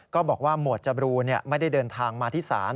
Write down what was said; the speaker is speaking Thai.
ก็บอกว่าหมวดจบรูไม่ได้เดินทางมาที่ศาล